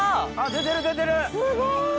出てる出てる。